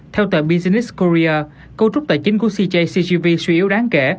theo tờ business corris cấu trúc tài chính của cjcgv suy yếu đáng kể